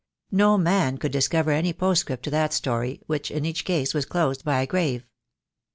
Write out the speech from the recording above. No man could discover any postscript to that story, which in each case was closed by a grave.